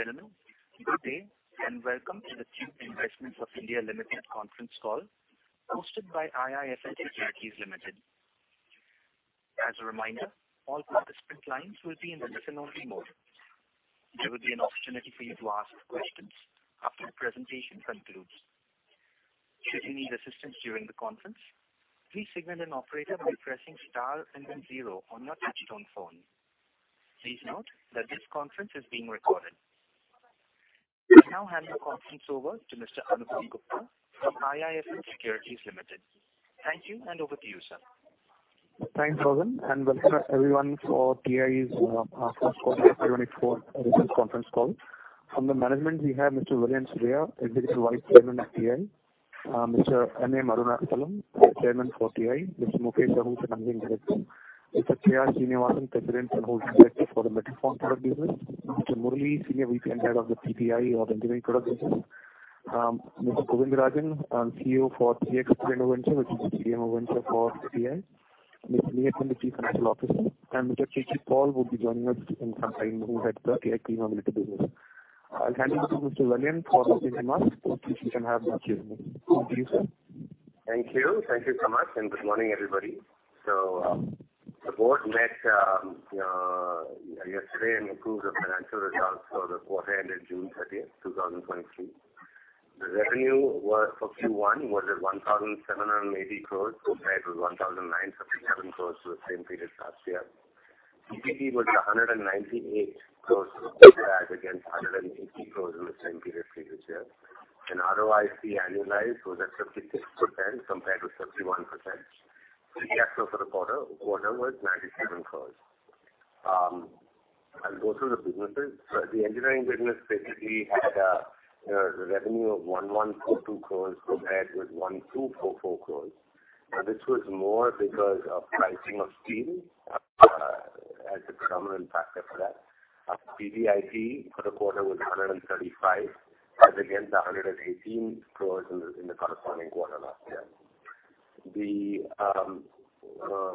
Ladies and gentlemen, good day, and welcome to the Tube Investments of India Limited conference call, hosted by IIFL Securities Limited. As a reminder, all participant lines will be in the listen-only mode. There will be an opportunity for you to ask questions after the presentation concludes. Should you need assistance during the conference, please signal an operator by pressing star and then zero on your touchtone phone. Please note that this conference is being recorded. I now hand the conference over to Mr. Anupam Gupta from IIFL Securities Limited. Thank you, and over to you, sir. Thanks, Robin, and welcome everyone for TI's, our first quarter 2024 results conference call. From the management, we have Mr. Vellayan Subbiah, Executive Vice Chairman of TI, Mr. M.A.M. Arunachalam, the Chairman for TI, Mr. Mukesh Ahuja, the Managing Director, Mr. K.R. Srinivasan, President and Whole-Time Director for the Metal Formed Products Business, Mr. Murali, Senior VP and Head of the TPI or the Engineering Product Business, Mr. Govindarajan, CEO for TX Green Venture, which is a JV venture for TI. Mr. A.N. Meyyappan is the Chief Financial Officer. Mr. K.K. Paul will be joining us in some time, who heads the TI Mobility Business. I'll hand you to Mr. Vellayan for opening remarks. Hopefully, we can have the cue. Over to you, sir. Thank you. Thank you so much. Good morning, everybody. The board met yesterday and approved the financial results for the quarter ended June 30th, 2023. The revenue for Q1 was at 1,780 crore, compared with 1,977 crore for the same period last year. PBT was 198 crore, as against 180 crore in the same period previous year. ROIC annualized was at 36%, compared to 31%. The axle for the quarter was 97 crore. I'll go through the businesses. The engineering business basically had a revenue of 1.2 crore compared with 1,244 crore. Now, this was more because of pricing of steel as the predominant factor for that. PBIT for the quarter was 135 crore, as against 118 crore in the corresponding quarter last year. The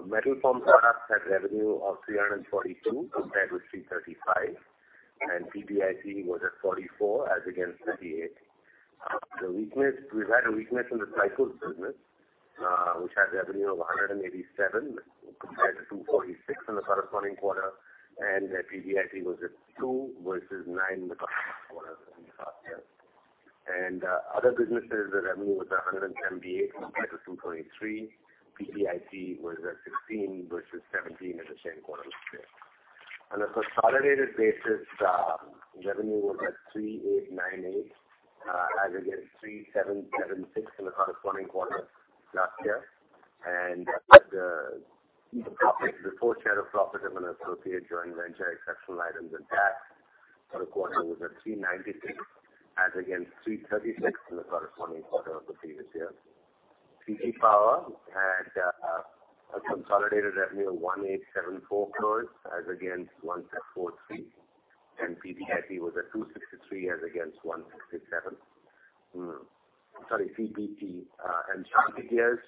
Metal Formed Products Business had revenue of 342 crore, compared with 335 crore, and PBIT was at 44 crore as against 38 crore. The weakness, we've had a weakness in the cycles business, which had a revenue of 187 crore, compared to 246 crore in the corresponding quarter, and their PBIT was at 2 crore versus 9 crore in the quarter in the past year. Other businesses, the revenue was 110 crore DA compared to 223 crore. PBIT was at 16 crore versus 17 crore at the same quarter last year. On a consolidated basis, revenue was at 3,898 crore, as against 3,776 crore in the corresponding quarter last year. With the, the profit, the full share of profit of an associate joint venture, exceptional items and tax for the quarter was at 396, as against 336 in the corresponding quarter of the previous year. CG Power had a consolidated revenue of 1,874 crores as against 1,643, and PBIT was at 263 as against 167. Sorry, PBT. Shanthi Gears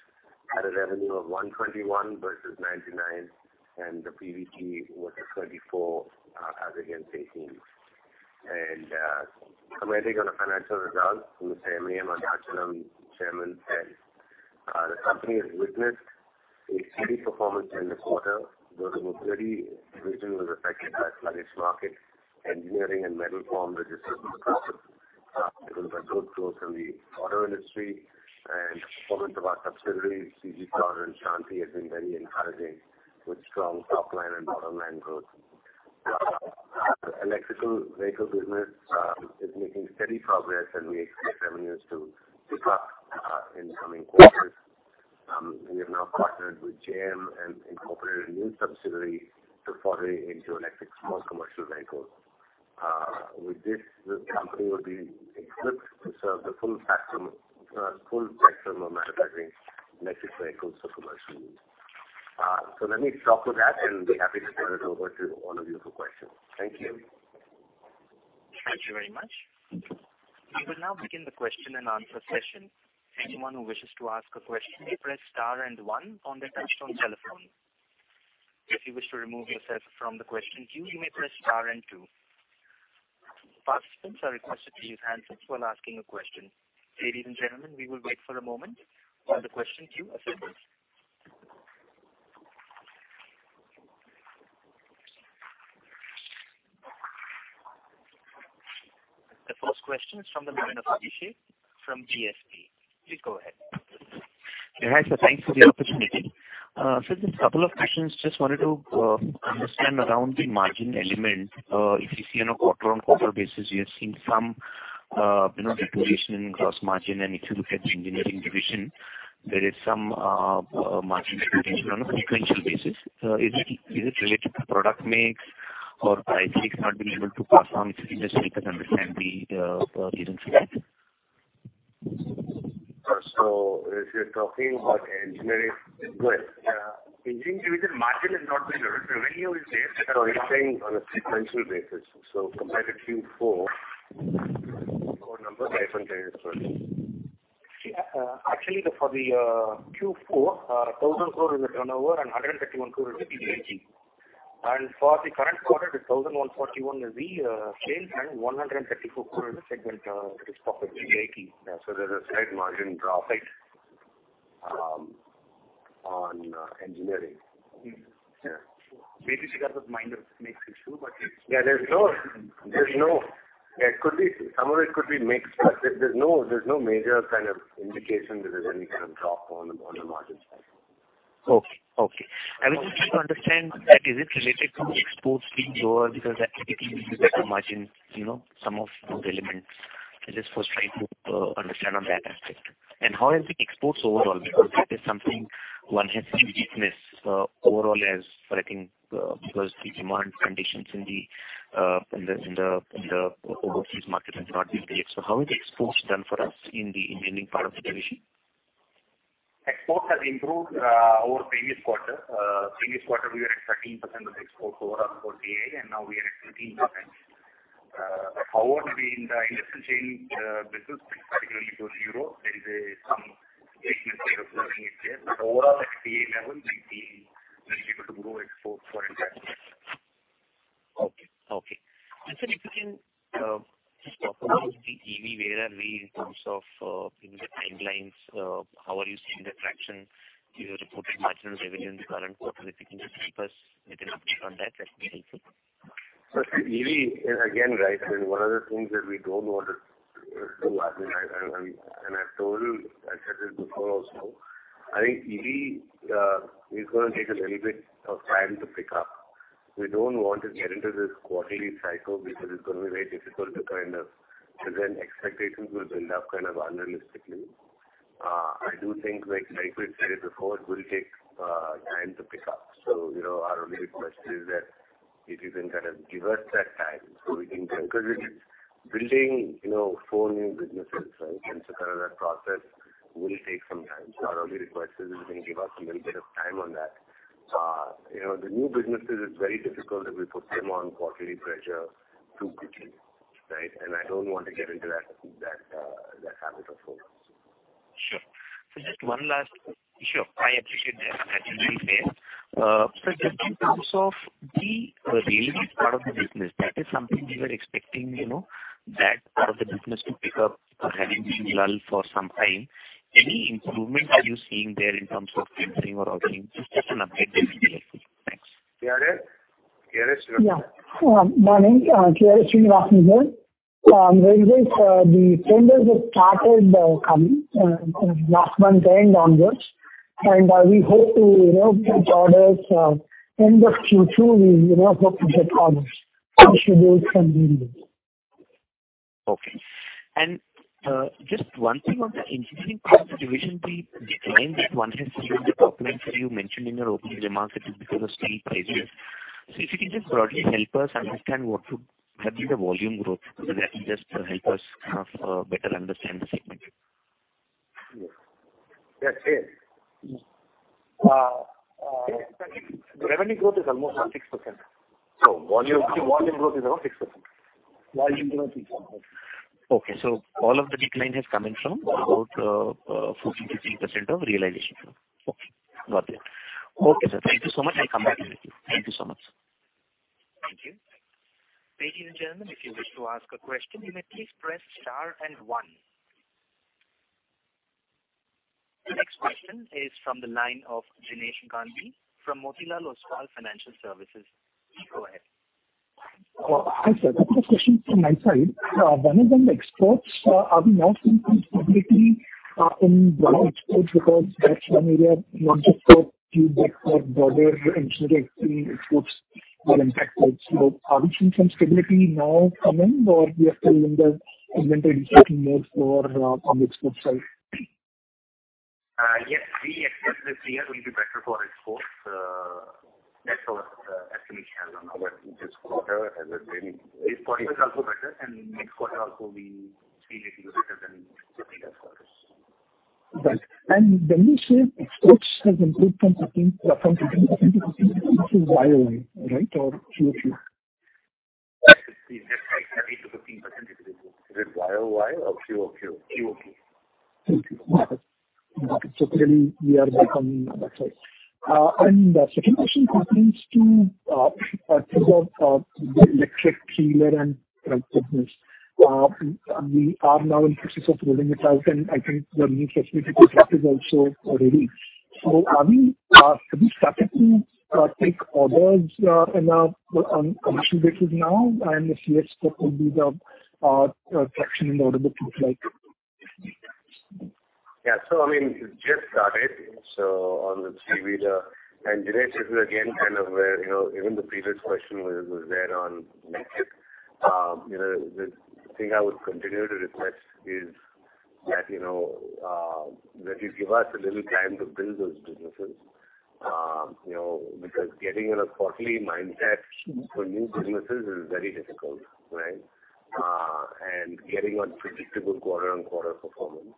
had a revenue of 121 versus 99, and the PBT was at 34 as against 18. Commenting on the financial results, Mr. M.A.M. Arunachalam, Chairman, said, "The company has witnessed a steady performance in this quarter, though the Mobility division was affected by sluggish market. Engineering and Metal Form registered good growth in the auto industry, and performance of our subsidiaries, CG Power and Shanthi, has been very encouraging, with strong top-line and bottom-line growth. Our electrical vehicle business is making steady progress, and we expect revenues to pick up in the coming quarters. We have now partnered with JV and incorporated a new subsidiary to foray into electric small commercial vehicles. With this, the company will be equipped to serve the full spectrum, full spectrum of manufacturing electric vehicles for commercial use. Let me stop with that and be happy to turn it over to all of you for questions. Thank you. Thank you very much. We will now begin the question and answer session. Anyone who wishes to ask a question, may press star and one on their touchtone telephone. If you wish to remove yourself from the question queue, you may press star and two. Participants are requested to use handsets while asking a question. Ladies and gentlemen, we will wait for a moment while the question queue assembles. The first question is from the line of Abhishek from DSP. Please go ahead. Yeah, thanks for the opportunity. Just a couple of questions. Just wanted to understand around the margin element. If you see on a quarter-on-quarter basis, you have seen some, you know, deterioration in gross margin, and if you look at the engineering division, there is some margin deterioration on a sequential basis. Is it, is it related to product mix or pricing not being able to pass on? Just help us understand the reasons for that. If you're talking about engineering, well, Engineering division margin has not been. Revenue is there. It's saying on a sequential basis, so compared to Q4 Actually, the for the, Q4, 1,004 in the turnover and 131 crore is the EBIT. For the current quarter, the 1,141 is the same, and 134 crore is the segment profit EBIT. There's a slight margin drop, right, on Engineering. Mm-hmm. Yeah. Basically, because of minor mix issue, but it's- Yeah, there's no, there's no. Yeah, it could be, some of it could be mix, but there's, there's no, there's no major kind of indication that there's any kind of drop on the, on the margin side. Okay, okay. I was just trying to understand that, is it related to exports being lower? That typically leads to better margin, you know, some of those elements. I just was trying to understand on that aspect. How is the exports overall? That is something one has seen weakness overall as well, I think, because the demand conditions in the in the in the in the overseas markets have not been great. How is the exports done for us in the engineering part of the division? Exports has improved over previous quarter. Previous quarter, we were at 13% of exports overall for TI, and now we are at 15%. However, in the industrial chain, business, particularly towards Europe, there is some weakness there occurring there. Overall, at TI level, we've been very able to grow exports for entire year. Okay, okay. Sir, if you can just talk about the EV, where are we in terms of in the timelines? How are you seeing the traction? You have reported marginal revenue in the current quarter. If you can just help us with an update on that, that'd be helpful. EV, again, right. One of the things that we don't want to do, and I've told you, I said this before also, I think EV is gonna take a little bit of time to pick up. We don't want to get into this quarterly cycle because it's gonna be very difficult to kind of, because then expectations will build up kind of unrealistically. I do think, like we said it before, it will take time to pick up. You know, our only request is that if you can kind of give us that time, so we can. Because it is building, you know, four new businesses, right? So kind of that process will take some time. Our only request is if you can give us a little bit of time on that. you know, the new businesses, it's very difficult if we put them on quarterly pressure too quickly, right? I don't want to get into that, that, that habit of focus. Sure. Just one last... Sure, I appreciate that. That's really fair. Just in terms of the rail part of the business, that is something we were expecting, you know, that part of the business to pick up after having been lull for some time. Any improvement are you seeing there in terms of framing or ordering? Just an update there, thanks. KRS? KRS, yeah. Yeah. Morning, KRS Srinivasan here. The tenders have started coming, last month end onwards, and, we hope to, you know, get orders. End of Q2, we hope to get orders, transferable from the... Okay. Just one thing on the engineering part of the division, the decline that one has seen in the top line, so you mentioned in your opening remarks, it is because of steel prices. If you can just broadly help us understand what would have been the volume growth, because that will just help us better understand the segment. Yes. The revenue growth is almost around 6%. Volume, volume growth is around 6%? Volume growth, 6%. Okay. All of the decline has come in from about 43% of realization. Okay, got it. Okay, sir, thank you so much. I'll come back to you. Thank you so much. Thank you. Ladies and gentlemen, if you wish to ask a question, you may please press star and one. The next question is from the line of Jinesh Gandhi from Motilal Oswal Financial Services. Please go ahead. Hi, sir. Two questions from my side. One of them, exports, are we now seeing some stability in raw exports, because that's one area we want to sort feedback for broader engineering exports are impacted? Are we seeing some stability now coming, or we are still in the inventory mode for on the export side? Yes, we expect this year will be better for exports. That's our estimation on our this quarter has been... This quarter is also better, and next quarter also we see it to be better than the previous quarters. Right. When you say exports has improved from 13%, from 15% to 15%, this is year-over-year, right, or quarter-over-quarter? That is 15%-15%. Is it YOY or QOQ? QOQ. Thank you. Got it. Clearly, we are becoming better. The second question pertains to, to the, the electric three-wheeler and business. We are now in the process of rolling it out, and I think the new facility is also ready. Are we, have we started to, take orders on commercial basis now? If yes, what would be the, attraction in order book look like? I mean, we just started, so on the three-wheeler. Jinesh, this is again, kind of where, you know, even the previous question was, was there on make it. You know, the thing I would continue to reflect is that, you know, that you give us a little time to build those businesses. You know, because getting in a quarterly mindset for new businesses is very difficult, right? Getting on predictable quarter on quarter performance.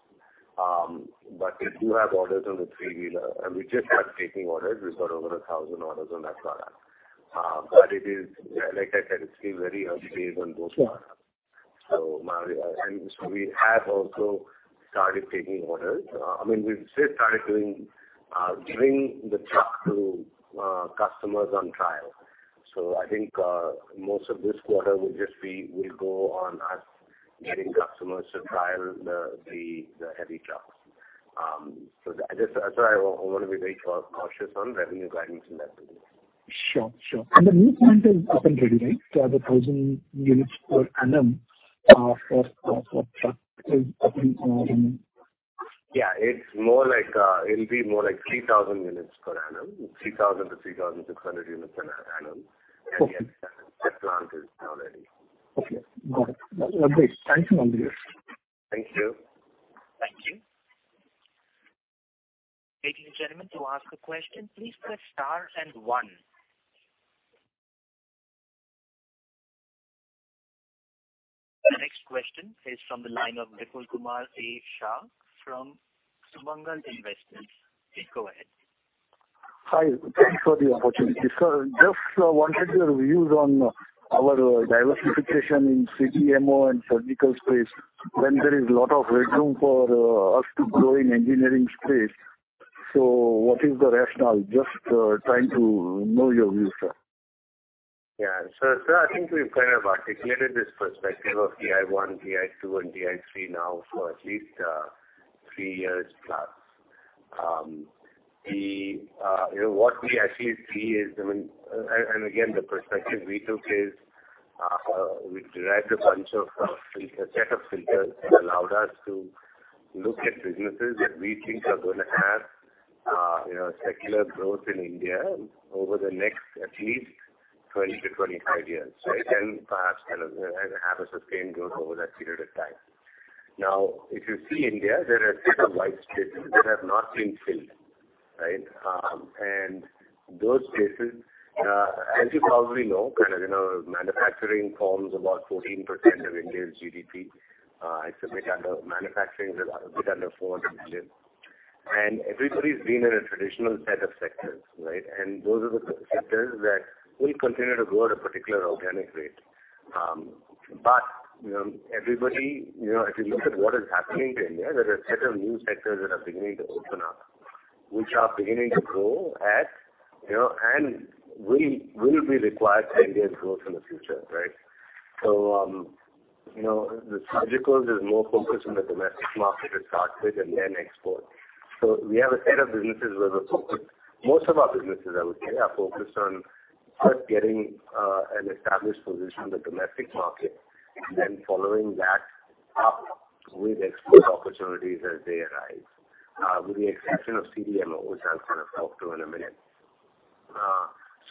We do have orders on the three-wheeler, and we just start taking orders. We've got over 1,000 orders on that product. It is, like I said, it's still very early days on those products. Sure. We have also started taking orders. I mean, we've just started doing, bringing the truck to customers on trial. I think, most of this quarter will just be, will go on us getting customers to trial the heavy trucks. I just, that's why I want to be very cautious on revenue guidance in that business. Sure, sure. The new plant is up and ready, right? The 1,000 units per annum, for, for truck is up and running. Yeah, it's more like, it'll be more like 3,000 units per annum, 3,000-3,600 units per annum. Okay. Yes, the plant is now ready. Okay, got it. Thank you, Mandeep. Thank you. Thank you. Ladies and gentlemen, to ask a question, please press star and one. The next question is from the line of Vipul Kumar A. Shah from Sumangal Investments. Please go ahead. Hi, thanks for the opportunity, sir. Just wanted your views on our diversification in CDMO and surgical space, when there is a lot of headroom for us to grow in engineering space. What is the rationale? Just trying to know your view, sir. Yeah. Sir, I think we've kind of articulated this perspective of TI 1, TI 2, and TI 3 now for at least 3 years+. The, you know, what we actually see is, I mean, and again, the perspective we took is, we derived a bunch of set of filters that allowed us to look at businesses that we think are going to have, you know, secular growth in India over the next at least 20-25 years, right? Perhaps kind of have a sustained growth over that period of time. If you see India, there are a set of white spaces that have not been filled, right? Those spaces, as you probably know, kind of, you know, manufacturing forms about 14% of India's GDP. I submit under manufacturing is a bit under 400 billion. Everybody's been in a traditional set of sectors, right? Those are the sectors that will continue to grow at a particular organic rate. But, you know, everybody, you know, if you look at what is happening in India, there are a set of new sectors that are beginning to open up, which are beginning to grow at, you know, and will, will be required for Indian growth in the future, right? You know, the surgicals is more focused on the domestic market to start with and then export. We have a set of businesses where we're focused. Most of our businesses, I would say, are focused on us getting an established position in the domestic market, and then following that up with export opportunities as they arise, with the exception of CDMO, which I'll kind of talk to in a minute.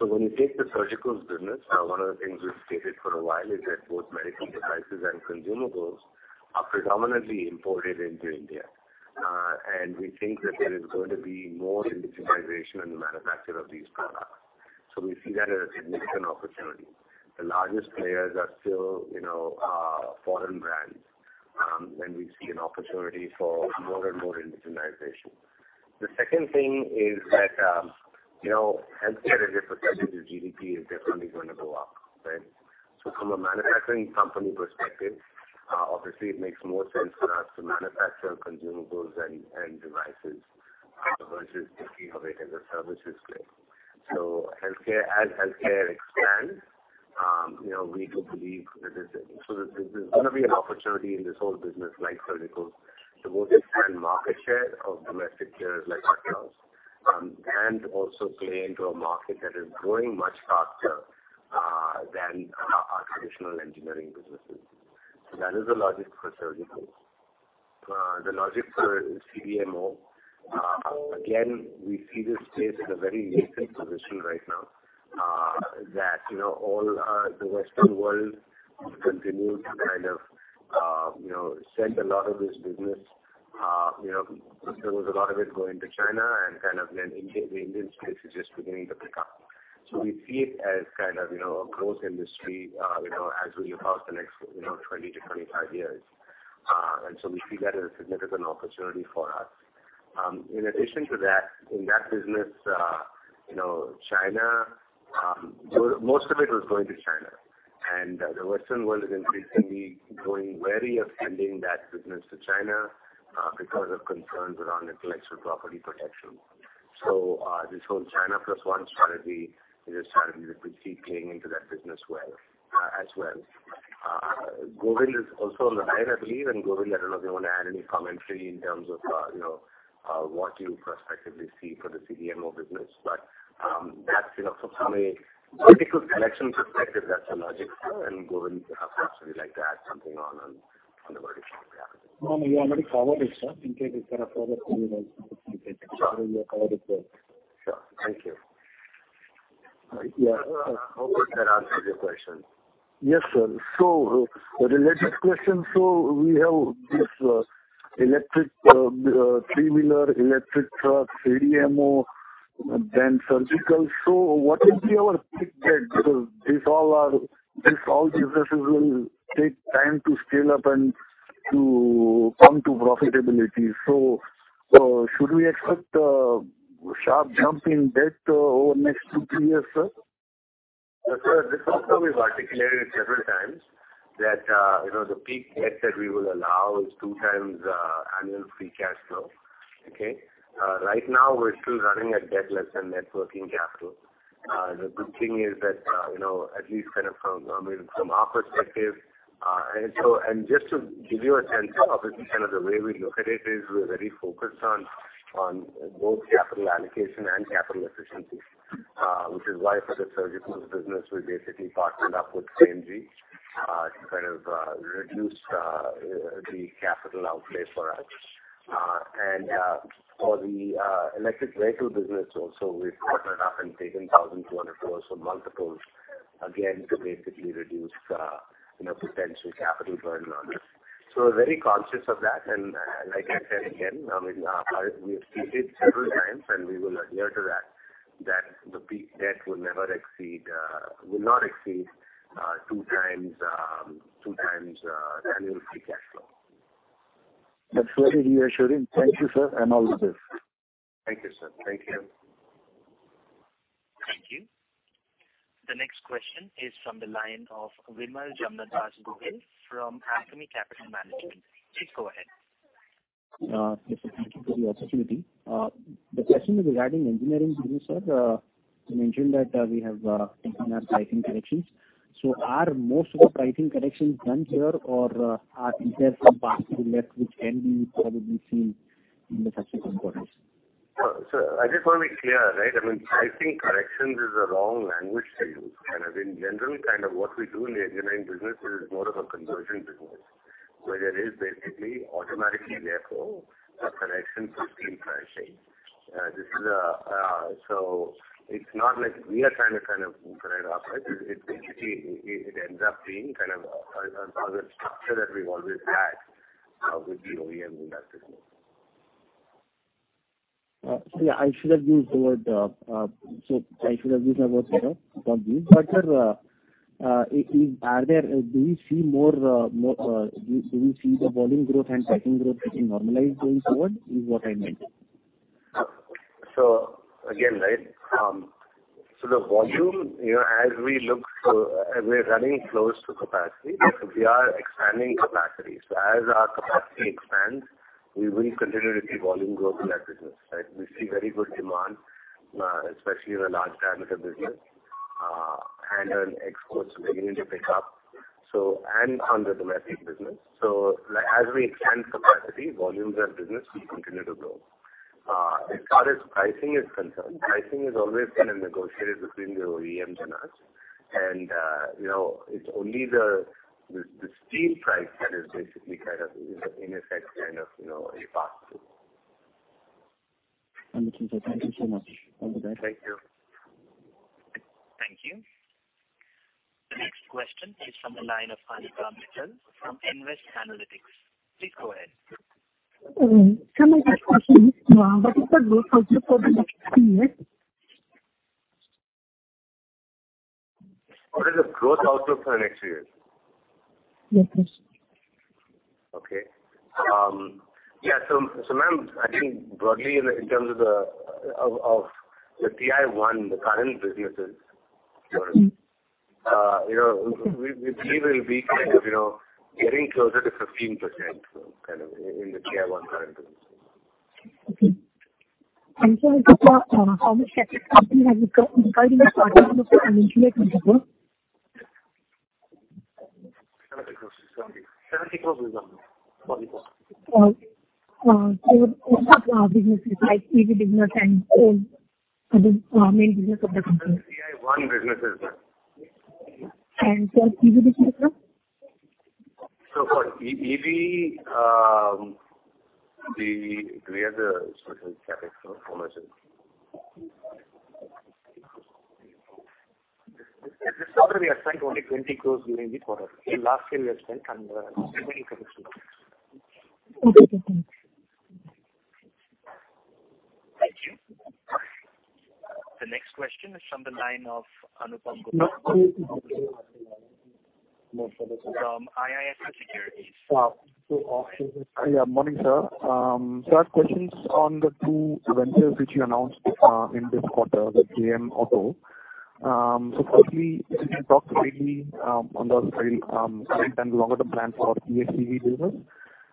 When you take the surgical business, one of the things we've stated for a while is that both medical devices and consumables are predominantly imported into India. We think that there is going to be more indigenization in the manufacture of these products. We see that as a significant opportunity. The largest players are still, you know, foreign brands, and we see an opportunity for more and more indigenization. The second thing is that, you know, healthcare as a percentage of GDP is definitely going to go up, right? From a manufacturing company perspective, obviously it makes more sense for us to manufacture consumables and, and devices, versus thinking of it as a services play. Healthcare, as healthcare expands, you know, we do believe that this, there's going to be an opportunity in this whole business, like surgicals, to both defend market share of domestic players like ourselves, and also play into a market that is growing much faster than our, our traditional engineering businesses. That is the logic for surgicals. The logic for CDMO, again, we see this space in a very nascent position right now, that, you know, all the Western world continued to kind of, you know, send a lot of this business. You know, there was a lot of it going to China and kind of then India, the Indian space is just beginning to pick up. We see it as kind of, you know, a growth industry, you know, as we look out the next, you know, 20 to 25 years. We see that as a significant opportunity for us. In addition to that, in that business, you know, China, most of it was going to China, and the Western world is increasingly growing wary of sending that business to China because of concerns around intellectual property protection. This whole China plus one strategy is a strategy that we see playing into that business well as well. Govind is also on the line, I believe, and Govind, I don't know if you want to add any commentary in terms of, you know, what you prospectively see for the CDMO business, but, that's, you know, from a political collection perspective, that's the logic. Govind, perhaps, would you like to add something on, on, on the vertical? No, you already covered it, sir. In case you kind of cover it. Sure. You covered it well. Sure. Thank you. Yeah. I hope that answers your question. Yes, sir. Related question, we have this electric three-wheeler, electric truck, CDMO, then surgical. What will be our quick get? Because these all businesses will take time to scale up. To come to profitability. Should we expect a sharp jump in debt, over the next two, three years, sir? Sir, this also we've articulated several times, that, you know, the peak debt that we will allow is 2x annual free cash flow. Okay? Right now, we're still running at debt less than net working capital. The good thing is that, you know, at least kind of from, I mean, from our perspective, just to give you a sense of it, kind of the way we look at it is, we're very focused on, on both capital allocation and capital efficiency, which is why for the surgical business, we basically partnered up with C&G to kind of reduce the capital outlay for us. For the electric vehicle business also, we've partnered up and taken 1,200+ for multiples, again, to basically reduce, you know, potential capital burn on this. We're very conscious of that, and, like I said again, I mean, we've stated several times, and we will adhere to that, that the peak debt will never exceed, will not exceed, 2x, 2x, annual free cash flow. That's very reassuring. Thank you, sir, and all the best. Thank you, sir. Thank you. Thank you. The next question is from the line of Vimal Jamnadas Gohil from Hakami Capital Management. Please go ahead. Thank you for the opportunity. The question is regarding engineering business, sir. You mentioned that we have taken our pricing corrections. Are most of the pricing corrections done here, or are there some parts left which can be probably seen in the subsequent quarters? So I just want to be clear, right? I mean, pricing corrections is the wrong language to use. Kind of in general, kind of what we do in the engineering business is more of a conversion business, where there is basically automatically, therefore, a connection to steel pricing. This is a... It's not like we are trying to kind of move around. It, it, basically, it, it ends up being kind of a structure that we've always had with the OEM industry. Yeah, I should have used the word, so I should have used the word, you know, from this. Sir, do you see more, more, do you see the volume growth and pricing growth getting normalized going forward, is what I meant? Again, right, so the volume, you know, as we look to-- we're running close to capacity, so we are expanding capacity. As our capacity expands, we will continue to see volume growth in that business, right? We see very good demand, especially in the Large Diameter business, and on exports beginning to pick up, and on the domestic business. Like as we expand capacity, volumes of business will continue to grow. As far as pricing is concerned, pricing has always been a negotiated between the OEM and us. You know, it's only the, the, the steel price that is basically kind of, in effect, kind of, you know, a pass-through. Understood, sir. Thank you so much. Have a good day. Thank you. Thank you. The next question is from the line of Anika Mittal from Nvest Analytics. Please go ahead. Can I ask a question? What is the growth outlook for the next three years? What is the growth outlook for the next three years? Yes, please. Okay. Yeah. Ma'am, I think broadly in the, in terms of the TI 1, the current businesses- Mm-hmm. you know, we, we believe will be kind of, you know, getting closer to 15%, kind of in the TI 1 current business. Okay. Sir, how much has the company has recovered in the quarter, can you please elaborate on that, sir? INR 70 crore, ma'am. INR 70 crore, ma'am. What are business, like EV business and, other, main business of the company? TI1 businesses, ma'am. Sir, EV business, sir? For EV, do we have the specific CapEx for ourselves? This quarter, we have spent only 20 crore during the quarter. Last year, we had spent under 70 crore. Okay. Thank you. Thank you. The next question is from the line of Anupam Gupta. From IIFL Securities. Yeah, morning, sir. I have questions on the two ventures which you announced in this quarter, the Jayem Auto. Firstly, could you talk briefly on the current and longer-term plans for PEHV business?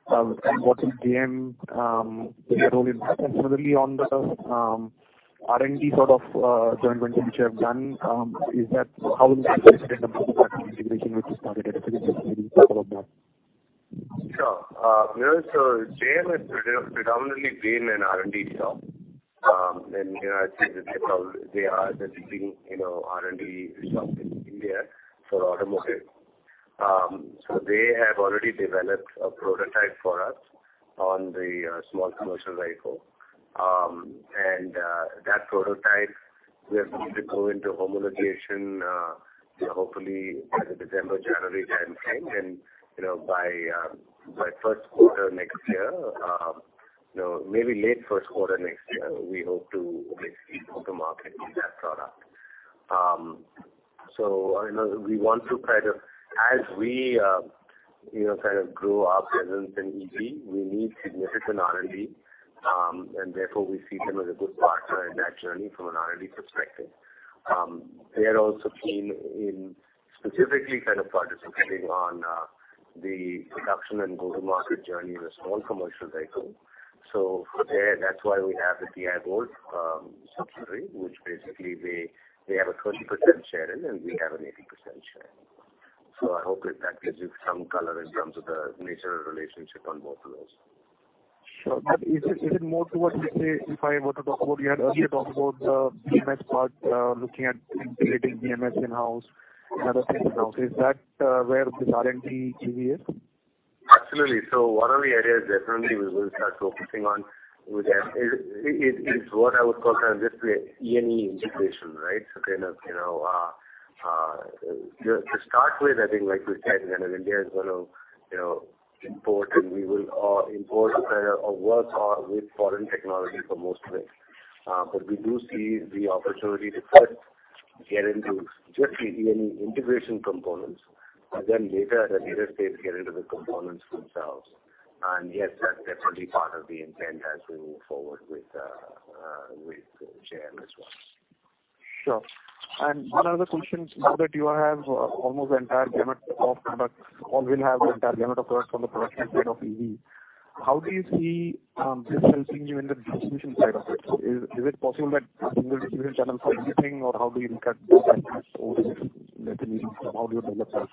What is Jayem, their role in that? Similarly on the R&D sort of joint venture which you have done, how is that different from the integration which you started at the beginning of the quarter? Sure. You know, Jayem has predominantly been an R&D shop. You know, I think that they probably, they are the leading, you know, R&D shop in India for automotive. They have already developed a prototype for us on the small commercial vehicle. That prototype, we are going to go into homologation, hopefully by the December, January timeframe. You know, by first quarter next year, you know, maybe late first quarter next year, we hope to basically go to market with that product. You know, we want to kind of, as we, you know, kind of grow our presence in EV, we need significant R&D. Therefore, we see them as a good partner in that journey from an R&D perspective. They are also keen in specifically kind of participating on the adoption and go-to-market journey in the small commercial vehicle. For there, that's why we have the DI Gold subsidiary, which basically they, they have a 30% share in, and we have an 80% share. I hope that that gives you some color in terms of the nature of relationship on both levels. Sure. Is it, is it more towards, let's say, if I were to talk about, you had earlier talked about the BMS part, looking at integrating BMS in-house and other things in-house. Is that where this R&D EV is? Absolutely. One of the areas definitely we will start focusing on with them is what I would call kind of just a EME integration, right? Kind of, you know, to start with, I think, like we said, kind of India is going to, you know, import, and we will import kind of a work on with foreign technology for most of it. We do see the opportunity to first get into just the EME integration components, and then later, at a later stage, get into the components themselves. Yes, that's definitely part of the intent as we move forward with JL as well. Sure. One other question, now that you have, almost the entire gamut of products or will have the entire gamut of products from the production side of EV, how do you see, this helping you in the distribution side of it? Is it possible that single distribution channel for everything, or how do you look at this over this, how do you develop that?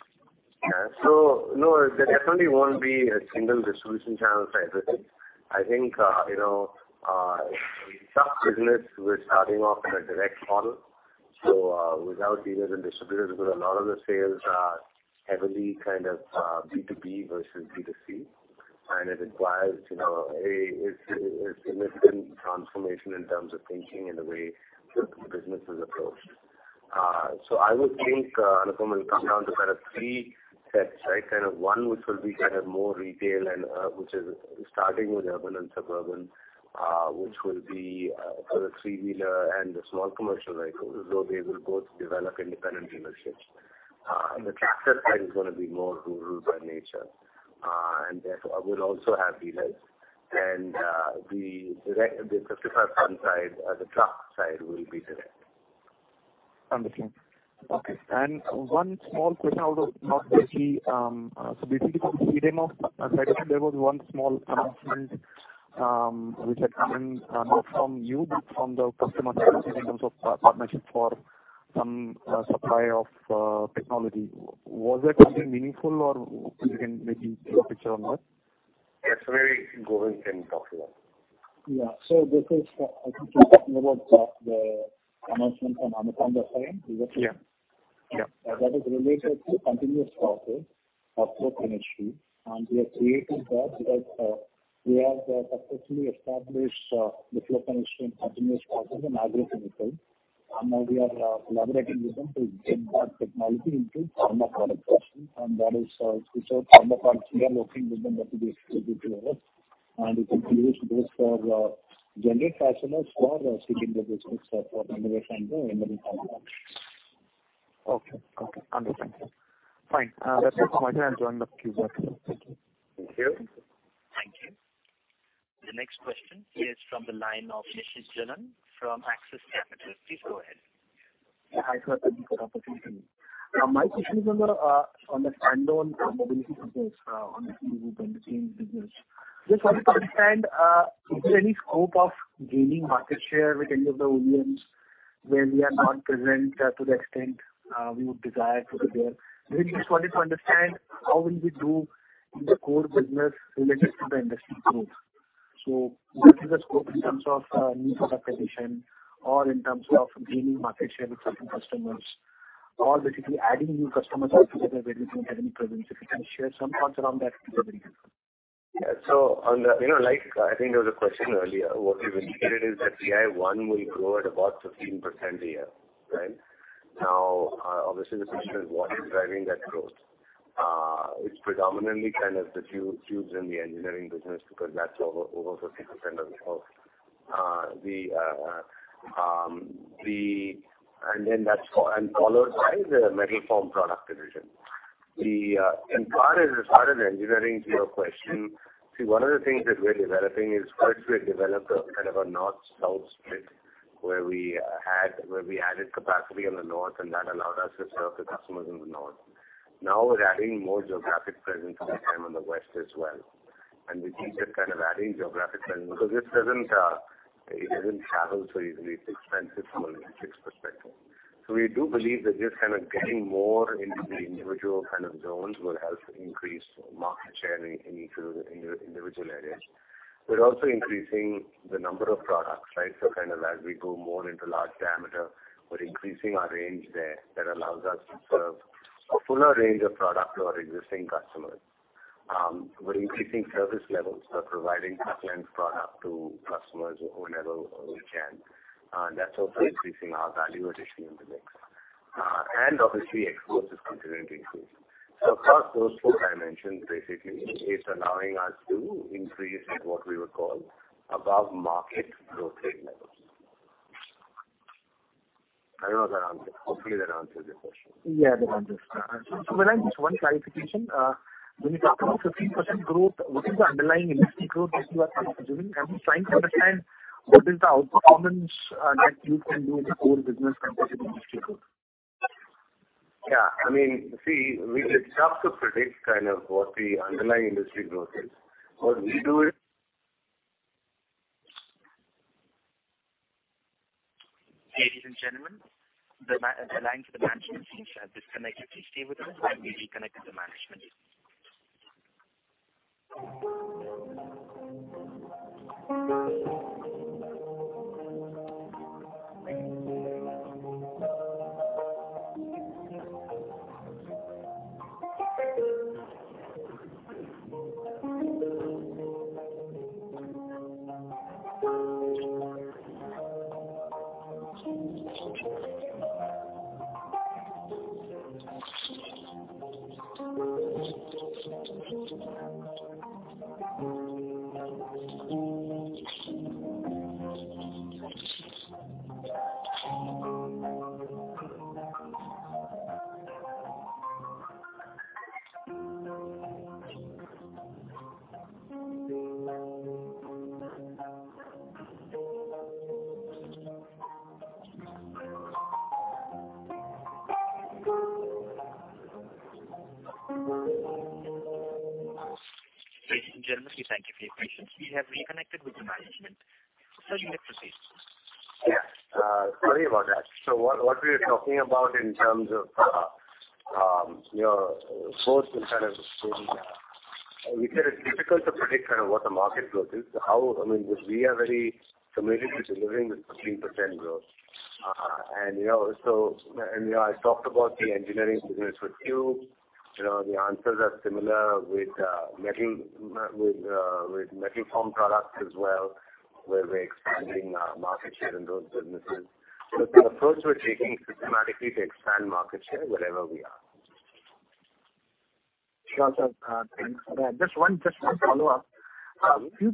Yeah. No, there definitely won't be a single distribution channel for everything. I think, you know, some business we're starting off in a direct model, so, without dealers and distributors, because a lot of the sales are heavily kind of, B2B versus B2C. It requires, you know, a, it's, it's significant transformation in terms of thinking and the way the business is approached. I would think, Anupam, it will come down to kind of 3 sets, right? Kind of one, which will be kind of more retail and, which is starting with urban and suburban, which will be, for the three-wheeler and the small commercial vehicle, so they will both develop independent dealerships. The tractor side is gonna be more rural by nature, and therefore will also have dealers. The direct, the 55 ton side, the truck side will be direct. Understood. Okay, one small question out of not basically, basically from side, there was one small announcement, which had come in, not from you, but from the customer side in terms of, partnership for some, supply of, technology. Was that something meaningful, or you can maybe give a picture on that? Yes, maybe Govind can talk to that. Yeah. This is, I think you're talking about the, the announcement from Anupam that time? Yeah. Yeah. That is related to continuous process of flow chemistry, and we are creating that because we have successfully established the flow chemistry and continuous process in agrochemical. Now we are collaborating with them to get that technology into pharma product question. That is, so pharma parts, we are working with them, but it is still between us. We can use this for generate customers for seeking their business for innovation and emerging pharma. Okay. Okay, understood. Fine. That's it from my end. I'll join the queue. Thank you. Thank you. Thank you. The next question is from the line of Nishit Jalan from Axis Capital. Please go ahead. Yeah, hi, sir. Thank you for the opportunity. My question is on the unknown mobility business, on the chain business. Just wanted to understand, is there any scope of gaining market share with any of the OEMs, where we are not present, to the extent, we would desire to be there? We just wanted to understand how will we do in the core business related to the industry growth. What is the scope in terms of new productization or in terms of gaining market share with certain customers, or basically adding new customers altogether, where we don't have any presence? If you can share some thoughts around that, it'd be very helpful. Yeah. On the, you know, like, I think there was a question earlier, what we've indicated is that TI 1 will grow at about 15% a year, right? Obviously, the question is, what is driving that growth? It's predominantly kind of the tube, tubes in the engineering business, because that's over, over 50% of the, and then that's followed by the Metal Formed Products division. As far as, as far as engineering, to your question, see, one of the things that we're developing is, first, we have developed a kind of a north-south split, where we add, where we added capacity in the north, and that allowed us to serve the customers in the north. We're adding more geographic presence this time in the west as well. We keep just kind of adding geographic presence, because this doesn't, it doesn't travel so easily. It's expensive from a logistics perspective. We do believe that just kind of getting more into the individual kind of zones will help increase market share in, in, in, in individual areas. We're also increasing the number of products, right? Kind of as we go more into large diameter, we're increasing our range there. That allows us to serve a fuller range of product to our existing customers. We're increasing service levels by providing excellent product to customers whenever we can, and that's also increasing our value addition in the mix. Obviously, exposure is continuing to increase. Across those four dimensions, basically, it's allowing us to increase at what we would call above market growth rate levels. I don't know if that answers, hopefully, that answers your question. Yeah, that answers. When just one clarification, when you talk about 15% growth, what is the underlying industry growth that you are considering? I'm trying to understand what is the outperformance that you can do in the core business versus industry growth. Yeah, I mean, see, it's tough to predict kind of what the underlying industry growth is. What we do is. Ladies and gentlemen, the line to the management seems to have disconnected. Please stay with us. We reconnect with the management. Ladies and gentlemen, we thank you for your patience. We have reconnected with the management. Sir, you may proceed. Yeah, sorry about that. What, what we were talking about in terms of, you know, growth and kind of, we said it's difficult to predict kind of what the market growth is. I mean, we are very committed to delivering this 15% growth. You know, so, and, you know, I talked about the engineering business with you. You know, the answers are similar with metal, with metal form products as well, where we're expanding our market share in those businesses. The approach we're taking systematically to expand market share wherever we are. Sure, sir. Thanks for that. Just one, just one follow-up. Few,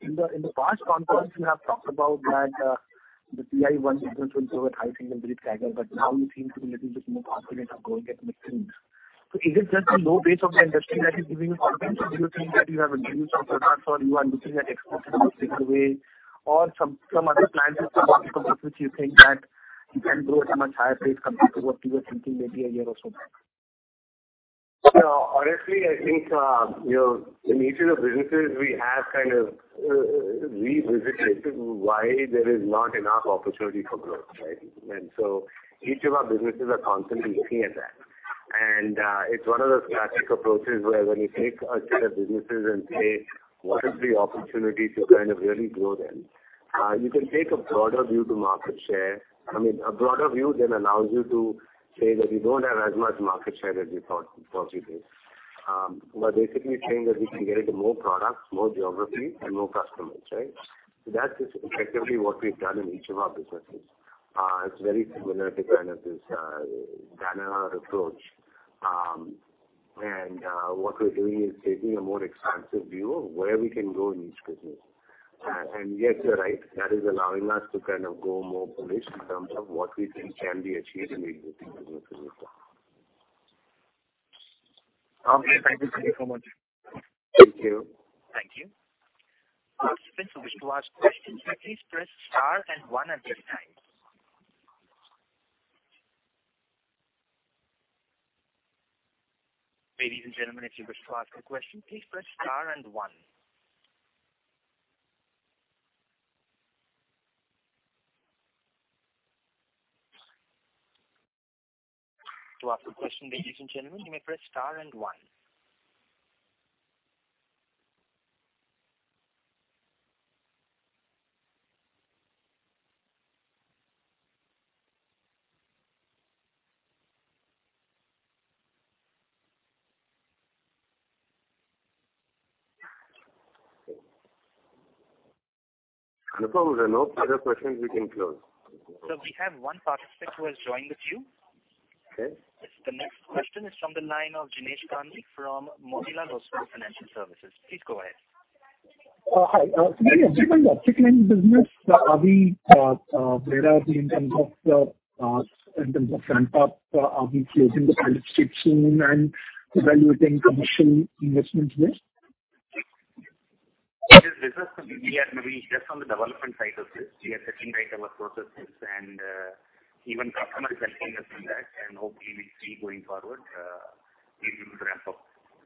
in the past conference, you have talked about that, the TI 1 business will grow at high single digit CAGR, but now you seem to be little bit more confident of growing at mid-teens. Is it just the low base of the industry that is giving you confidence, or do you think that you have a new some products, or you are looking at exports in a bigger way, or some, some other plans which you think that you can grow at a much higher pace compared to what you were thinking maybe a year or so back? Well, honestly, I think, you know, in each of the businesses we have kind of revisited why there is not enough opportunity for growth, right? Each of our businesses are constantly looking at that. It's one of those classic approaches where when you take a set of businesses and say: What is the opportunity to kind of really grow them? You can take a broader view to market share. I mean, a broader view then allows you to say that you don't have as much market share as you thought, thought you did. Basically saying that we can get into more products, more geography and more customers, right? That is effectively what we've done in each of our businesses. It's very similar to kind of this Danaher approach. What we're doing is taking a more expansive view of where we can grow in each business. Yes, you're right, that is allowing us to kind of grow more bullish in terms of what we think can be achieved in each of the businesses. Okay, thank you. Thank you so much. Thank you. Thank you. Participants who wish to ask questions, please press star and one at this time. Ladies and gentlemen, if you wish to ask a question, please press star and one. To ask a question, ladies and gentlemen, you may press star and one. If there were no further questions, we can close. Sir, we have one participant who has joined the queue. Okay. The next question is from the line of Jinesh Gandhi from Motilal Oswal Financial Services. Please go ahead. Hi. In the optic lens business, are we, where are we in terms of, in terms of ramp up? Are we closing the pilot stage soon and evaluating commercial investments there? This is Mukesh. We are maybe just on the development side of this. We are setting right our processes, and even customer is helping us in that, and hopefully, we see going forward, we will ramp up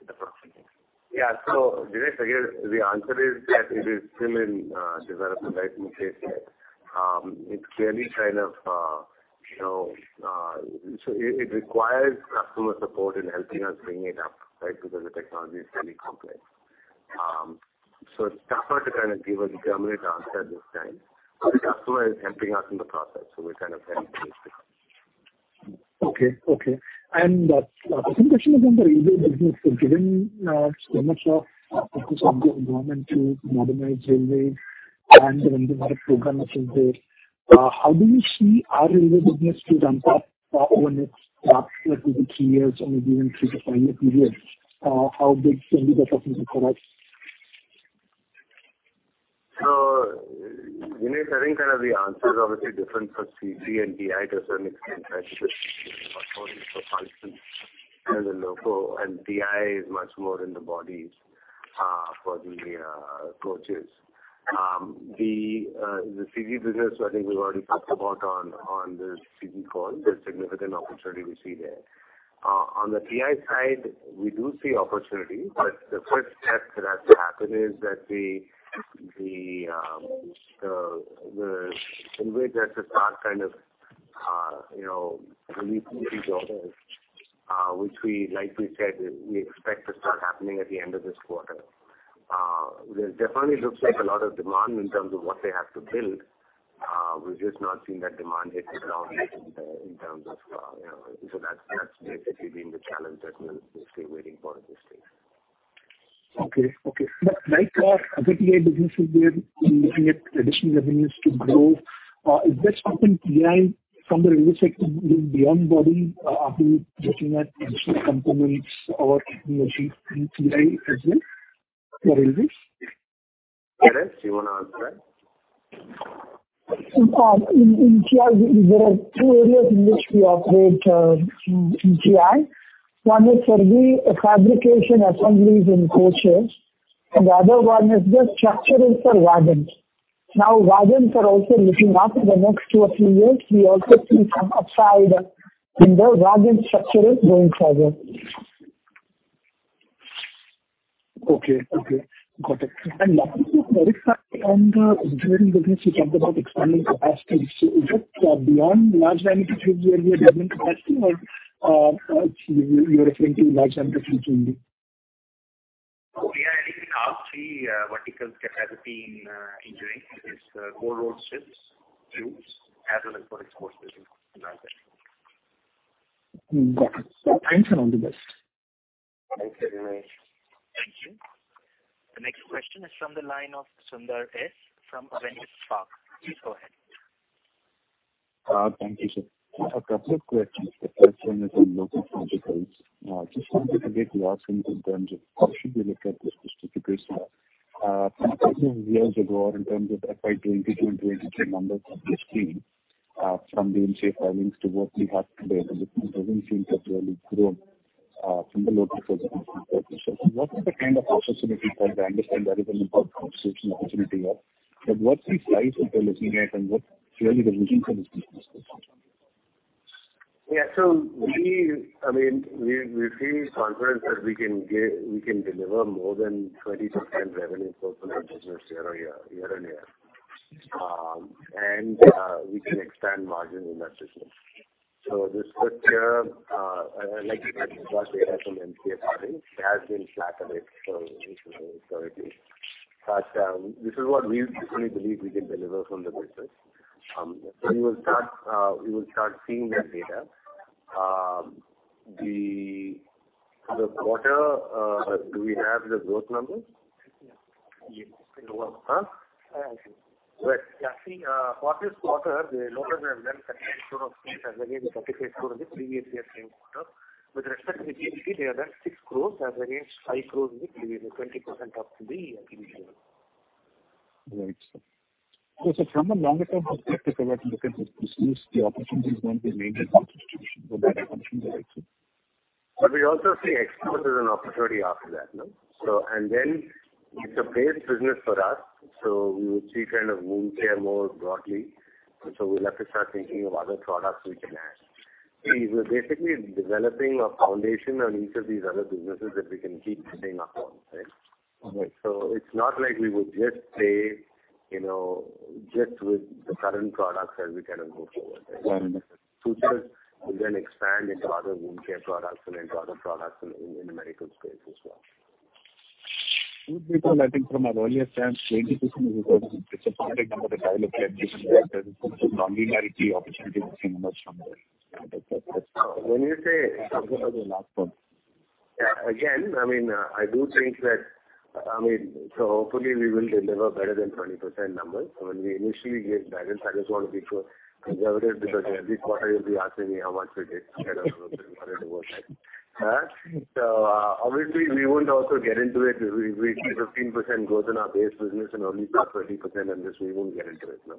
the processes. Yeah. Jinesh, I guess the answer is that it is still in development, right, Mukesh? It's clearly kind of, you know, so it, it requires customer support in helping us bring it up, right? Because the technology is fairly complex. It's tougher to kind of give a definite answer this time, but the customer is helping us in the process, so we're kind of optimistic. Okay, okay. Second question is on the railway business. Given so much of focus on the environment to modernize and when the Vande Bharat program is in there, how do you see our railway business to ramp up over the next perhaps maybe three years and even through the final period? How big can be the potential for us? Vineet, I think kind of the answer is obviously different for CG and TI to a certain extent, as a local, and TI is much more in the bodies for the coaches. The CG business, I think we've already talked about on, on this CG call, there's significant opportunity we see there. On the TI side, we do see opportunity, but the first step that has to happen is that the railway has to start kind of, you know, releasing these orders, which we, like we said, we expect to start happening at the end of this quarter. There definitely looks like a lot of demand in terms of of what they have to build, we've just not seen that demand hit the ground yet in terms of, you know, so that's, that's basically been the challenge that we're basically waiting for at this stage. Okay. Okay. Right now, the TI business is there. We're looking at additional revenues to grow. Is this something, TI, from the railway sector beyond body, are we looking at additional components or technologies in TI as well? For railways. Yes, you want to answer that? In, in TI, there are two areas in which we operate, in, in TI. One is for the fabrication assemblies in coaches, and the other one is the structural for wagons. Now, wagons are also looking after the next two or three years, we also see some upside in the wagon structural going forward. Okay. Okay, got it. On the engineering business, you talked about expanding capacities. Is it beyond Large Diameter tubes where we are building capacity or, you, you are referring to Large Diameter tubes only? We are adding our three verticals capacity in engineering. It is cold rolled strips, tubes, as well as for exposures in Large Dia. Got it. Thanks a lot for this. Thank you, Jinesh. Thank you. The next question is from the line of Sunder S from Avendus Park. Please go ahead. Thank you, sir. A couple of questions. The first one is on local financial goals. Just wanted to get your sense in terms of how should we look at this specific business? Years ago, in terms of FY 2022 and 2023 numbers of this team, from the MCA filings to what we have today, because it doesn't seem to really grow from the local perspective. What is the kind of opportunity for it? I understand there is an opportunity here, but what's the size we are looking at and what really the vision for this business? We, I mean, we, we feel confident that we can we can deliver more than 20% revenue for our business year on year, year on year. We can expand margins in that business. This picture, like you got data from MCA filing, it has been flat on it, so it is. This is what we definitely believe we can deliver from the business. You will start, you will start seeing that data. The, the quarter, do we have the growth numbers? Yes. Huh? Actually, for this quarter, the locals have done 34% as against 35% in the previous year, same quarter. With respect to GPG, they have done 6 crore as against 5 crore in the previous, 20% up to the previous year. Right, sir. From a longer term perspective, I want to look at this, this is the opportunity is going to be mainly distribution for that function, right? We also see export as an opportunity after that, no? Then it's a base business for us, so we would see kind of wound closure more broadly. We'll have to start thinking of other products we can add. We're basically developing a foundation on each of these other businesses that we can keep building upon, right? Okay. It's not like we would just say, you know, just with the current products as we kind of go forward. Right. Just we then expand into other wound closure products and into other products in, in the medical space as well. I think from our earlier stands, 80% is a product number that I look at, linearity opportunity to see much from there. When you say- The last one. I mean, I do think that, I mean, hopefully we will deliver better than 20% numbers. When we initially gave guidance, I just want to be sure, because every quarter you'll be asking me how much we did. Obviously, we wouldn't also get into it. If we, we see 15% growth in our base business and only got 13% on this, we won't get into it, no.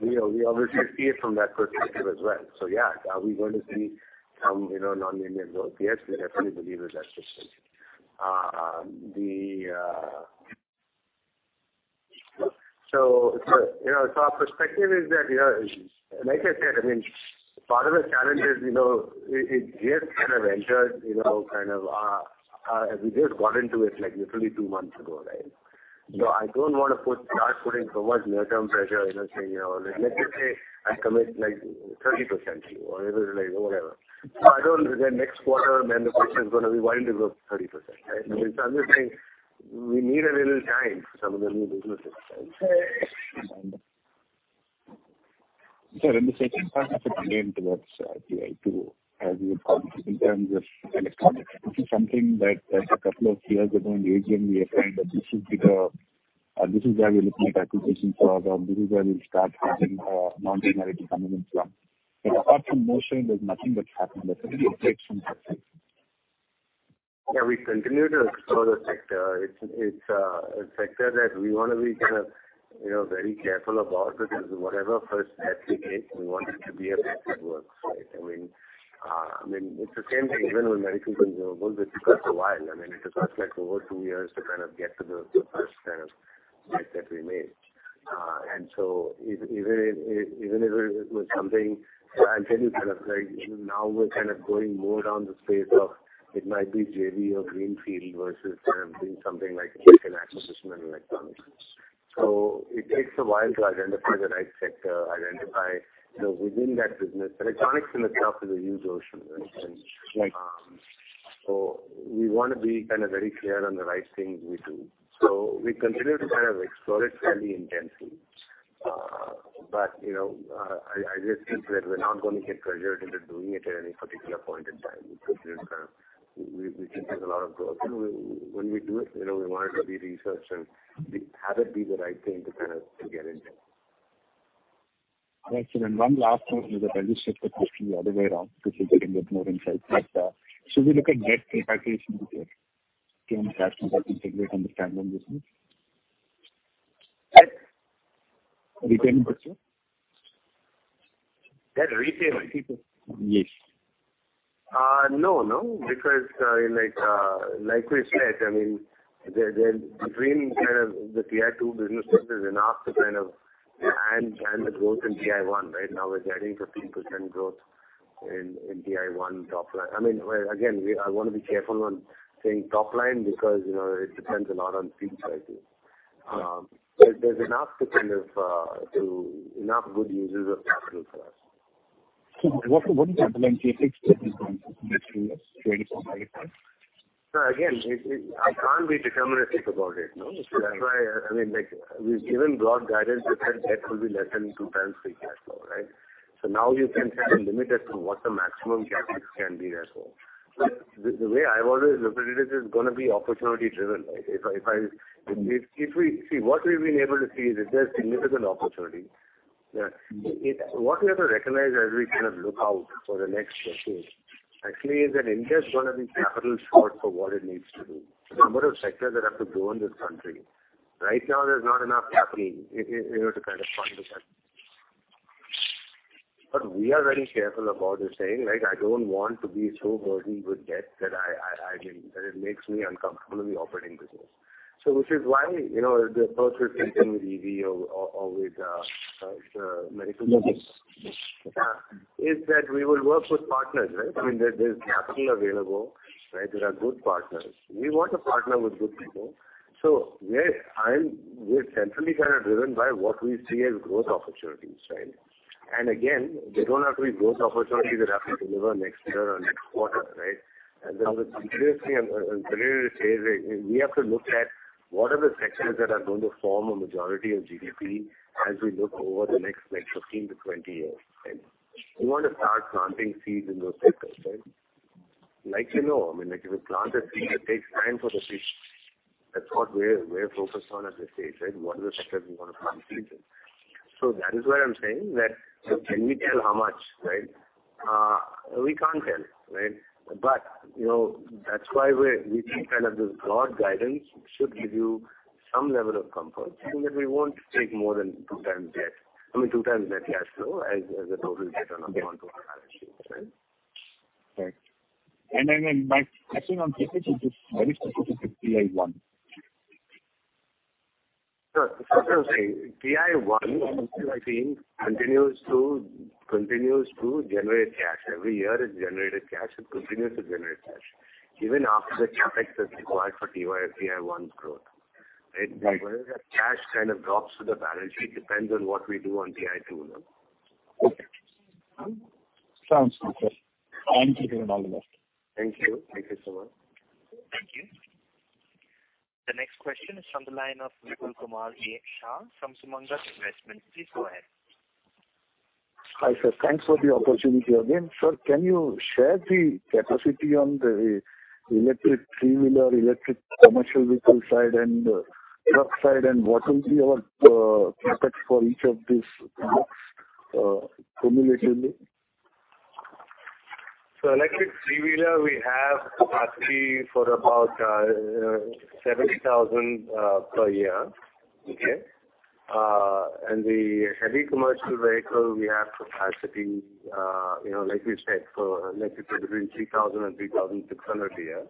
We, we obviously see it from that perspective as well. Yeah, are we going to see some, you know, non-Indian growth? Yes, we definitely believe in that system. The... Our perspective is that, you know, like I said, I mean, part of the challenge is, you know, it, it just kind of entered, you know, kind of, we just got into it like literally two months ago, right? I don't want to start putting so much near-term pressure, you know, saying, you know, let's just say I commit, like, 30% to you, or it was like, whatever. I don't, then next quarter, then the question is gonna be, why only 30%, right? I'm just saying we need a little time for some of the new businesses. Sir, in the second part of the game towards, TI 2, as you would call it, in terms of electronics, this is something that, a couple of years ago, in AGM, we are saying that this should be the, this is where we're looking at acquisitions for, or this is where we'll start having, non-linearity coming in from. Apart from motion, there's nothing that's happened that really affects from that side. Yeah, we continue to explore the sector. It's, it's a sector that we want to be kind of, you know, very careful about it, because whatever first step we take, we want it to be a best work, right? I mean, I mean, it's the same thing, even with medical consumables, it took us a while. I mean, it took us, like, over 2 years to kind of get to the, the first kind of bet that we made. So even if, even if it was something, I'm telling you, kind of, like, now we're kind of going more down the space of it might be JV or greenfield versus kind of doing something like make an acquisition in electronics. It takes a while to identify the right sector, identify, you know, within that business. Electronics itself is a huge ocean. Right. We want to be kind of very clear on the right things we do. We continue to kind of explore it fairly intensely. But, you know, I, I just think that we're not going to get pressured into doing it at any particular point in time. We continue to kind of. We, we think there's a lot of growth. When we do it, you know, we want it to be researched, and we have it be the right thing to kind of get into. Excellent. one last one, just let me shift the question the other way around, so we can get more insight. should we look at debt repayments here to integrate, understand the business? What? Repayment. Yeah, the repayment. Yes. No, no, because, like, like we said, I mean, the between kind of the TI 2 business, there's enough to kind of hand, hand the growth in TI 1. Right now, we're getting 15% growth in, in TI 1 top line. I mean, well, again, we, I want to be careful on saying top line, because, you know, it depends a lot on features, I think. There's enough to kind of, to enough good uses of capital for us. What do you implement CapEx to become $24 million? No, again, I can't be deterministic about it, no? Sure. That's why, I mean, like, we've given broad guidance that said debt will be less than 2x free cash flow, right? Now you can set a limit as to what the maximum CapEx can be as well. The way I've always looked at it, is it's going to be opportunity driven, right? See, what we've been able to see is that there's significant opportunity. Yeah. What we have to recognize as we kind of look out for the next decade, actually, is that India is going to be capital short for what it needs to do. The number of sectors that have to grow in this country, right now, there's not enough capital in order to kind of fund this up. We are very careful about this saying, like, I don't want to be so burdened with debt that I, I, I can, that it makes me uncomfortable in the operating business. Which is why, you know, the approach we've taken with EV or, or, or with medical device is that we will work with partners, right? I mean, there, there's capital available, right? There are good partners. We want to partner with good people. We're, I'm, we're centrally kind of driven by what we see as growth opportunities, right? Again, they don't have to be growth opportunities that have to deliver next year or next quarter, right? We have to look at what are the sectors that are going to form a majority of GDP as we look over the next, like, 15 to 20 years, right? We want to start planting seeds in those sectors, right? Like, you know, I mean, like, if you plant a seed, it takes time for the seed. That's what we're, we're focused on at this stage, right? What are the sectors we want to plant seeds in? That is why I'm saying that, can we tell how much, right? We can't tell, right? You know, that's why we're, we think kind of this broad guidance should give you some level of comfort, saying that we won't take more than 2x debt, I mean, 2x net cash flow as, as a total debt on our balance sheet, right? Right. My question on CapEx is just very specific to TI one. Sir, say, TI 1, I think, continues to, continues to generate cash. Every year, it's generated cash, it continues to generate cash, even after the CapEx that's required for TI, TI 1 growth, right? Right. Whether the cash kind of drops to the balance sheet, depends on what we do on TI 2 now. Okay. Sounds good, sir. Thank you, and all the best. Thank you. Thank you so much. Thank you. The next question is from the line of Vipul Kumar A. Shah from Sumangal Investments. Please go ahead. Hi, sir. Thanks for the opportunity again. Sir, can you share the capacity on the electric 3-wheeler, electric commercial vehicle side and truck side, and what will be our CapEx for each of these products cumulatively? Electric three-wheeler, we have capacity for about 70,000 per year. Okay? And the heavy commercial vehicle, we have capacity, you know, like we said, for between 3,000 and 3,600 a year.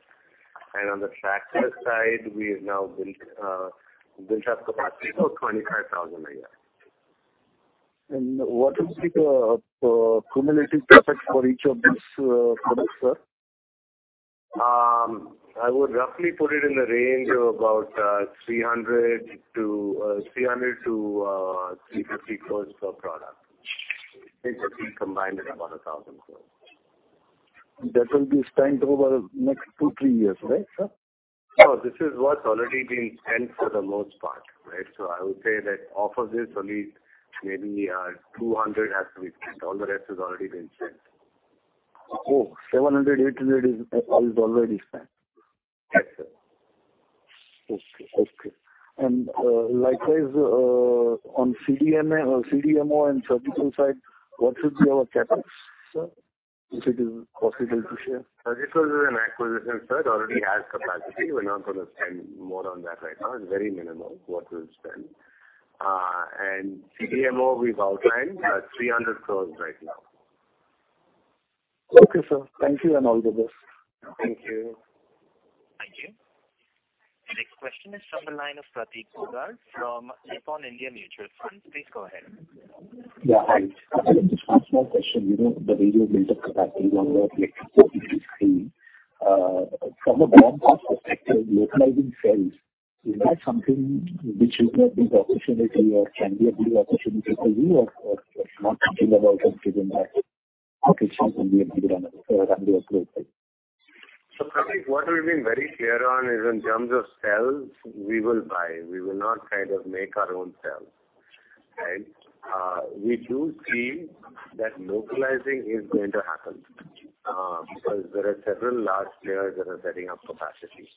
And on the tractor side, we've now built up capacity of 25,000 a year. What will be the cumulative CapEx for each of these products, sir? I would roughly put it in the range of about, 300 crore-350 crore per product. Basically, combined, about 1,000 crore. That will be spent over the next two, three years, right, sir? No, this is what's already been spent for the most part, right? I would say that of of this, only maybe 200 has to be spent. All the rest has already been spent. Oh, 700-800 has already spent. Yes, sir. Okay, okay. likewise, on CDMO-- or CDMO and surgical side, what should be our CapEx, sir, if it is possible to share? Surgical is an acquisition, sir. It already has capacity. We're not going to spend more on that right now. It's very minimal, what we'll spend. And CDMO, we've outlined 300 crore right now. Okay, sir. Thank you, and all the best. Thank you. Thank you. The next question is from the line of Pratik Shirke from Nippon India Mutual Fund. Please go ahead. Yeah, hi. Just one small question. You know, the radio build-up capacity on the electrical screen, from a broad perspective, localizing cells, is that something which you get big opportunity or can be a big opportunity for you or, or not something that also given that it can be a good, runway approach? Pratik, what we've been very clear on is in terms of cells, we will buy. We will not kind of make our own cells. Right? We do see that localizing is going to happen, because there are several large players that are setting up capacity.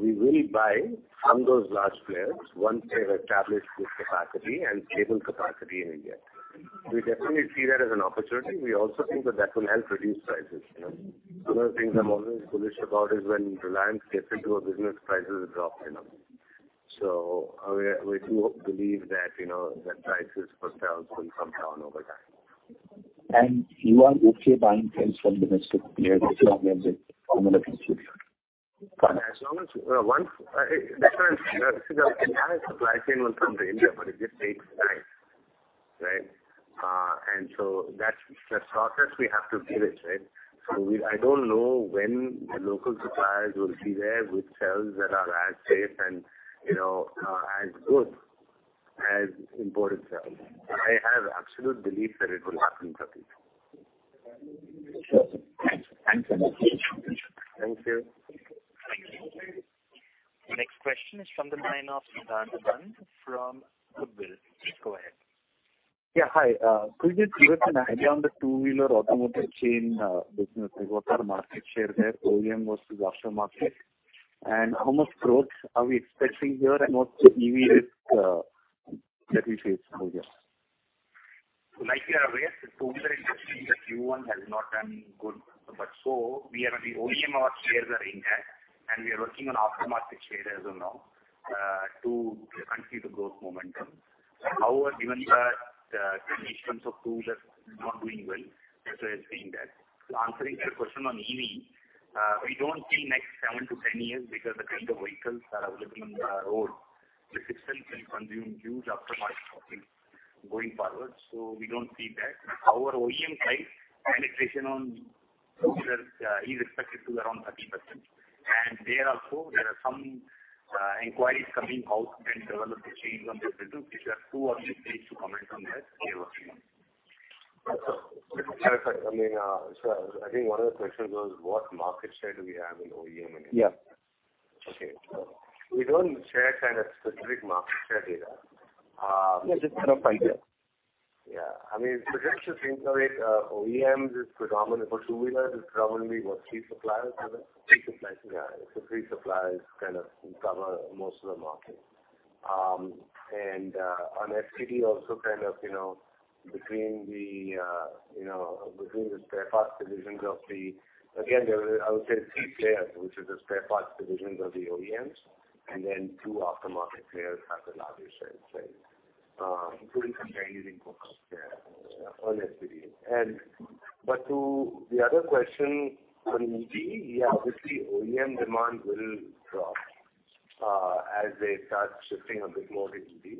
We will buy from those large players once they've established this capacity and stable capacity in India. We definitely see that as an opportunity. We also think that that will help reduce prices, you know. Other things I'm always bullish about is when Reliance gets into a business, prices drop, you know. We, we do believe that, you know, that prices for cells will come down over time. You are okay buying cells from the rest of players as long as it...? As long as, once, the entire supply chain will come to India, it just takes time. Right? So that's the process we have to give it, right? So I don't know when the local suppliers will be there with cells that are as safe and, you know, as good as imported cells. I have absolute belief that it will happen, Pratik. Thanks. Thanks a lot. Thank you. Thank you. The next question is from the line of Siddharth Chand from Goodwill. Please go ahead. Yeah, hi. Could you give us an idea on the two-wheeler automotive chain business? What are market share there, OEM versus washer market? How much growth are we expecting here, and what's the EV risk that we face over here? Like you are aware, the two-wheeler industry, the Q1 has not done good. We are on the OEM, our shares are in that, and we are working on aftermarket share as well now to continue the growth momentum. However, given that in terms of two-wheelers not doing well, that's why I'm saying that. Answering your question on EV, we don't see next 7-10 years because the kind of vehicles that are available on the road, the system will consume huge aftermarket profit going forward, so we don't see that. However, OEM side, our penetration on is expected to be around 30%. There also, there are some inquiries coming out and development change on this. These are too early stage to comment on that. We are working on it. I mean, I think one of the questions was what market share do we have in OEM? Yeah. Okay. We don't share kind of specific market share data. Yeah, just kind of idea. Yeah. I mean, just to think of it, OEMs is predominantly for 2-wheeler, is predominantly what, 3 suppliers have it? Three suppliers. Yeah. Three suppliers kind of cover most of the market. on FCD also kind of, you know, between the, you know, between the spare parts divisions of the. Again, there are, I would say, three players, which is the spare parts divisions of the OEMs, and then two aftermarket players have the largest shares, right? including some Chinese imports there on FCD. To the other question on EV, yeah, obviously, OEM demand will drop, as they start shifting a bit more to EV.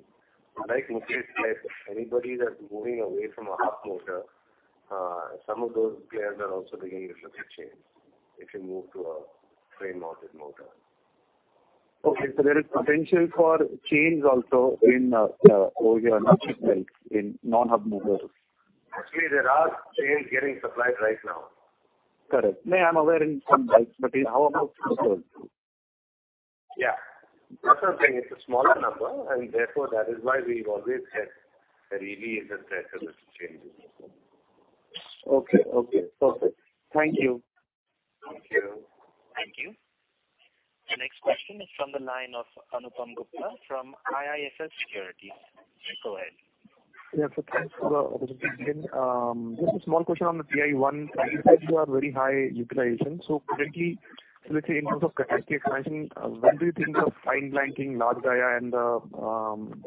Like Mukesh said, anybody that's moving away from a hub motor, some of those players are also beginning to look at chains, if you move to a frame-mounted motor. Okay, there is potential for chains also in OEM market, like in non-hub motors. Actually, there are chains getting supplied right now. Correct. May, I'm aware in some bikes, but how about the sales? Yeah. It's a smaller number, and therefore, that is why we've always had a release and set them with the changes. Okay. Okay, perfect. Thank you. Thank you. Thank you. The next question is from the line of Anupam Gupta from IIFL Securities. Please go ahead. Yeah, so thanks for the opportunity again. Just a small question on the TI 1. You said you are very high utilization. Currently, let's say in terms of capacity expansion, when do you think of fine blanking, Large Dia, and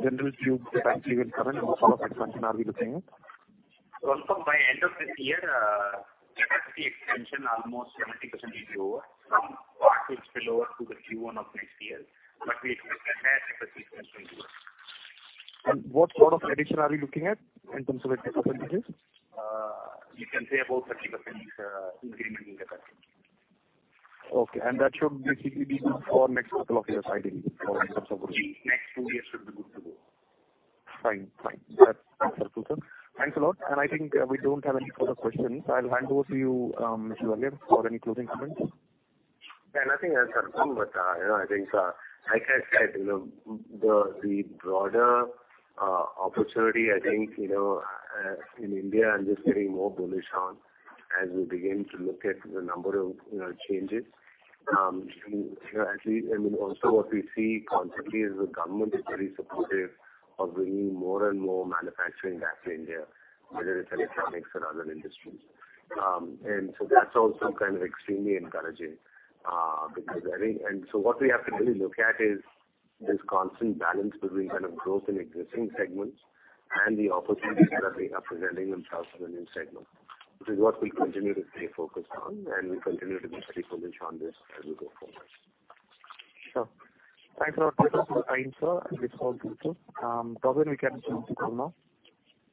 general tube capacity will come in, and what sort of expansion are we looking at? By end of this year, capacity expansion, almost 70% will be over. Some parts will spill over to the Q1 of next year, but we expect that capacity expansion to be over. What sort of addition are we looking at in terms of %? You can say about 30% increment in capacity. Okay, and that should basically be good for next couple of years, I think, in terms. Next 2 years should be good to go. Fine. Fine. That's conclusion. Thanks a lot, and I think, we don't have any further questions. I'll hand over to you, Mr. Vellayan Subbiah, for any closing comments. Yeah, nothing else, Anupam, but, you know, I think, like I said, you know, the, the broader opportunity, I think, you know, in India, I'm just getting more bullish on as we begin to look at the number of, you know, changes. You know, actually, I mean, also what we see constantly is the government is very supportive of bringing more and more manufacturing back to India, whether it's electronics or other industries. That's also kind of extremely encouraging because I think. What we have to really look at is this constant balance between kind of growth in existing segments and the opportunities that are presenting themselves in the new segment. This is what we continue to stay focused on, and we continue to be pretty bullish on this as we go forward. Sure. Thanks a lot for your time, sir, and this call, too. Probably we can close it now.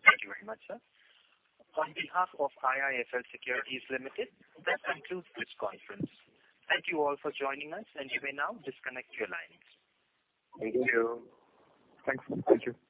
Thank you very much, sir. On behalf of IIFL Securities Limited, that concludes this conference. Thank you all for joining us, and you may now disconnect your lines. Thank you. Thanks. Thank you.